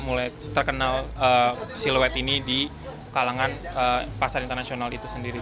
mulai terkenal siluet ini di kalangan pasar internasional itu sendiri